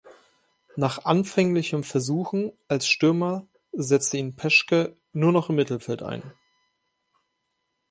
Nach anfänglichen Versuchen als Stürmer setzte ihn Peschke nur noch im Mittelfeld ein.